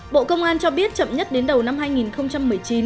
bộ công an cho biết chậm nhất đến đầu năm hai nghìn một mươi chín